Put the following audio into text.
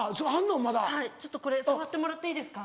はいちょっとこれ触ってもらっていいですか？